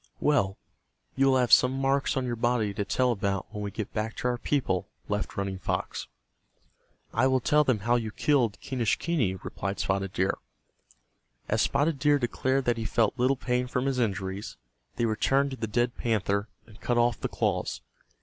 "Well, you will have some marks on your body to tell about when we get back to our people," laughed Running Fox. "I will tell them how you killed Quenischquney," replied Spotted Deer. As Spotted Deer declared that he felt little pain from his injuries, they returned to the dead panther and cut off the claws.